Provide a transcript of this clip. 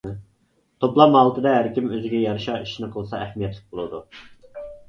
توپلام ھالىتىدە ھەركىم ئۆزىگە يارىشا ئىشنى قىلسا ئەھمىيەتلىك بولىدۇ.